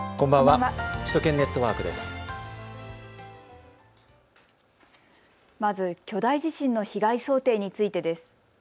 まず、巨大地震の被害想定についてです。